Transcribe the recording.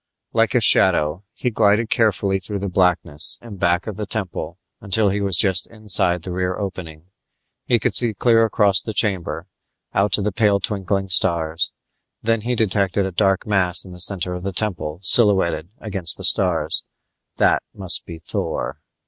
Like a shadow he glided carefully through the blackness in back of the temple until he was just inside the rear opening. He could see clear across the chamber, out into the pale twinkling stars. Then he detected a dark mass in the center of the temple silhouetted against the stars; that must be Thor.